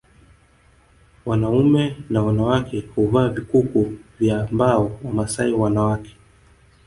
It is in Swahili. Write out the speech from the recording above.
Wanaume na wanawake huvaa vikuku vya mbao Wamasai wanawake